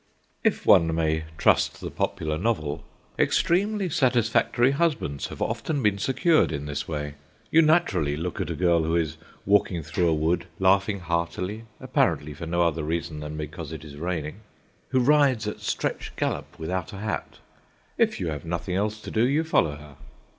If one may trust the popular novel, extremely satisfactory husbands have often been secured in this way. You naturally look at a girl who is walking through a wood, laughing heartily apparently for no other reason than because it is raining—who rides at stretch gallop without a hat. If you have nothing else to do, you follow her.